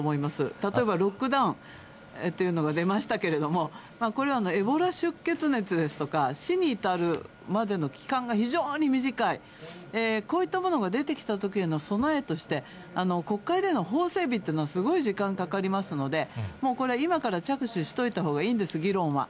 例えばロックダウンというのが出ましたけれども、これはエボラ出血熱ですとか、死に至るまでの期間が非常に短い、こういったものが出てきたときへの備えとして、国会での法整備というの、すごい時間かかりますので、これ、今から着手しておいたほうがいいんです、議論は。